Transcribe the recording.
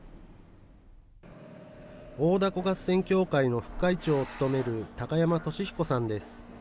大凧合戦協会の副会長を務める、高山俊彦さんです。